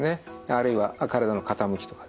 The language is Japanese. あるいは体の傾きとかですね